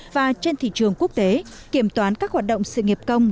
và trên thị trường quốc tế kiểm toán các hoạt động sự nghiệp công